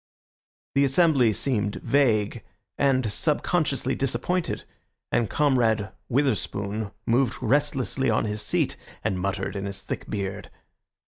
The assembly seemed vague and sub consciously disappointed, and Comrade Witherspoon moved restlessly on his seat and muttered in his thick beard.